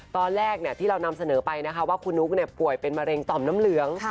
ตอนแรกที่เรานำเสนอไปนะคะว่าคุณนุ๊กป่วยเป็นมะเร็งต่อมน้ำเหลือง